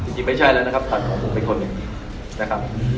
จริงไม่ใช่แล้วนะครับแต่ของผมเป็นคนหนึ่งนะครับ